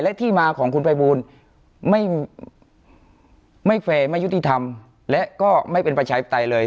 และที่มาของคุณภัยบูลไม่แฟร์ไม่ยุติธรรมและก็ไม่เป็นประชาธิปไตยเลย